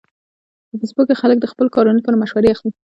په فېسبوک کې خلک د خپلو کارونو لپاره مشورې اخلي